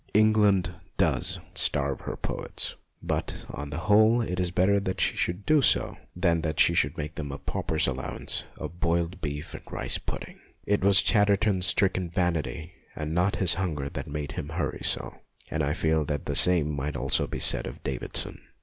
Eng land does starve her poets ; but, on the whole, it is better that she should do so than that she should make them a pauper's allowance of boiled beef and rice pudding. It was Chatterton's stricken vanity and not his hunger that made him hurry so, and I feel that the same might almost be said of Davidson.